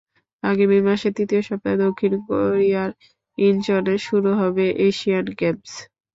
আগামী মাসের তৃতীয় সপ্তাহে দক্ষিণ কোরিয়ার ইনচনে শুরু হবে এশিয়ান গেমস।